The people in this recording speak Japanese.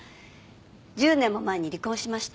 １０年も前に離婚しました。